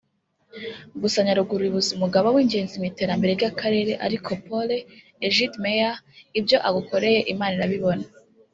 gusa Nyaruguru ibuze umugabo wingenzi mu iterambere ry’akarere ariko pole @egide mayor ibyo agukoreye Imana irabibona